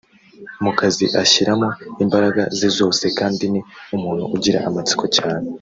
mu kazi ashyiramo imbaraga ze zose kandi ni umuntu ugira amatsiko cyane